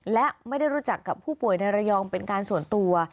และไม่ได้รู้จักกับผู้ป่วยในระยองเป็นการส่วนตัว